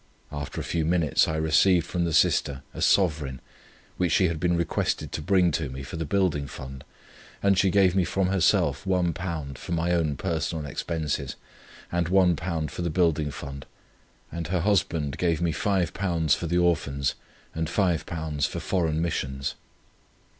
After a few minutes I received from the sister a sovereign, which she had been requested to bring to me for the Building Fund; and she gave me from herself £1 for my own personal expenses, and £1 for the Building Fund, and her husband gave me £5 for the Orphans, and £5 for Foreign Missions.